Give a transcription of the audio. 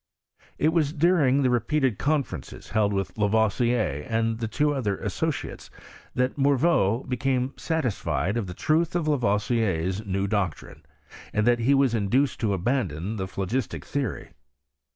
It was during the repeated conferences held with Lavoisier and the other two associates that Morveau became satisfied of the truth of Lavoisier's new doc trine, and that he was induced to abandon the phlo gistic theory.